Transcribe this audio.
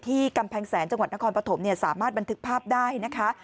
กำแพงแสนจังหวัดนครปฐมสามารถบันทึกภาพได้นะคะ